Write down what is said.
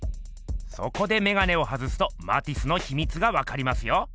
そこでメガネを外すとマティスのひみつがわかりますよ。